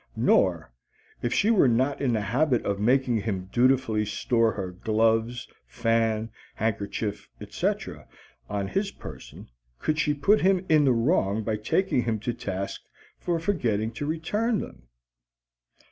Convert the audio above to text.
Nor, if she were not in the habit of making him dutifully store her gloves, fan, handkerchief, etc., on his person, could she put him in the wrong by taking him to task for forgetting to return them.